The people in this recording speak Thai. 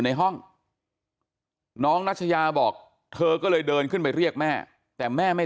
ในห้องน้องนัชยาบอกเธอก็เลยเดินขึ้นไปเรียกแม่แต่แม่ไม่